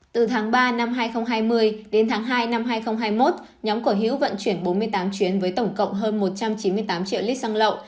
từ tháng ba năm hai nghìn hai mươi đến tháng hai năm hai nghìn hai mươi một nhóm của hiếu vận chuyển bốn mươi tám chuyến với tổng cộng hơn một trăm chín mươi tám triệu lít xăng lậu